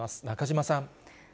中島さん。